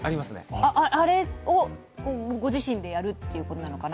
あれをご自身でやるということなのかな。